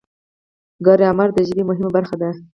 ګرامر د ژبې مهمه برخه ده.